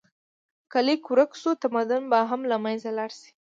که لیک ورک شو، تمدن به هم له منځه لاړ شي.